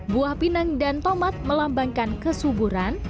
buah pinang dan tomat melambangkan kesuburan